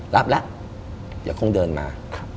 รับแล้วเดี๋ยวคงเดินมา